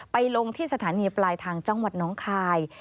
ลงที่สถานีปลายทางจังหวัดน้องคาย